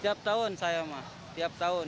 setiap tahun saya mah tiap tahun